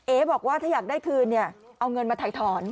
บอกว่าถ้าอยากได้คืนเนี่ยเอาเงินมาถ่ายถอน